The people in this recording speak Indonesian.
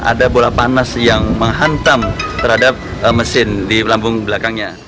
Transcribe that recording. ada bola panas yang menghantam terhadap mesin di lambung belakangnya